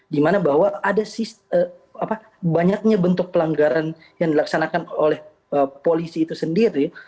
dimana bahwa ada banyaknya bentuk pelanggaran yang dilaksanakan oleh polisi itu sendiri